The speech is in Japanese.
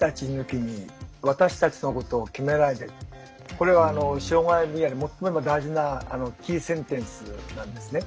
これは障害分野で最も大事なキーセンテンスなんですね。